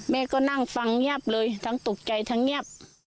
แม่ก็นั่งฟังเงียบเลยทั้งตกใจทั้งเงียบ